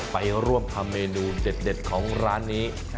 ไปร่วมทำเมนูเด็ดของร้านนี้